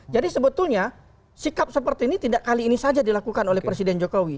jadi sebetulnya sikap seperti ini tidak kali ini saja dilakukan oleh presiden jokowi